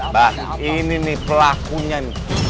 bang ini nih pelakunya nih